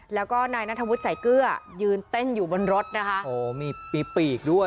แล้วก็นายนัทวุฒิใส่เกลือยืนเต้นอยู่บนรถนะคะโอ้โหมีปีกด้วย